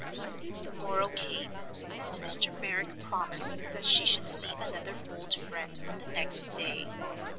The morrow came—and Mr. Merrick promised that she should see another old friend on the next day.